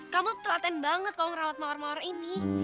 kamu telaten banget kalau ngerawat mawar mawar ini